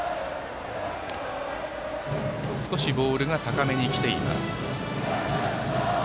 少しボールが高めに来ています。